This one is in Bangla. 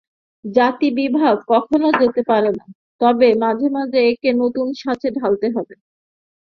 জাতিবিভাগ কখনও যেতে পারে না, তবে মাঝে মাঝে একে নূতন ছাঁচে ঢালতে হবে।